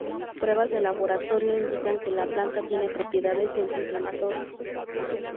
Pruebas de laboratorio indican que la planta tiene propiedades de antiinflamatorio.